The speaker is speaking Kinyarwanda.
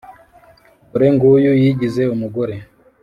dore ng'uyu yigize umugore